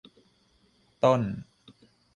ต้น